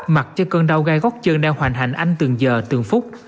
mặc cho cơn đau gai gót chân đang hoàn hạnh anh từng giờ từng phút